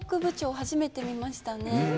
初めて、見ましたね。